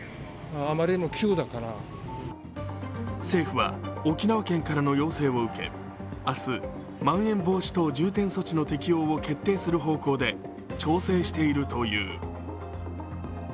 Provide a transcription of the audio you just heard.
政府は沖縄県からの要請を受け明日、まん延防止等重点措置の適用を決定する方向で調整しているという。